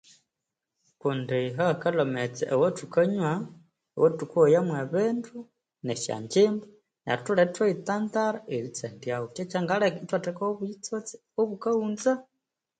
Kundi hahakalhwa amaghetse awathukanywa, awathukoghoyamu ebindu nesya ngyimba neru thutholere ithwayitantara eritsandyaho kyekyangaleka ithwathekaho obuyitsotse obukaghunza.